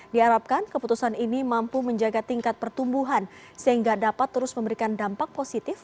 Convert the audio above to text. diharapkan keputusan ini mampu menjaga tingkat pertumbuhan sehingga dapat terus memberikan dampak positif